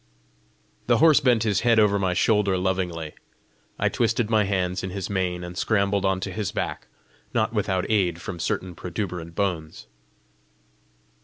The horse bent his head over my shoulder lovingly. I twisted my hands in his mane and scrambled onto his back, not without aid from certain protuberant bones.